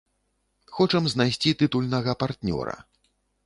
Хочам знайсці тытульнага партнёра.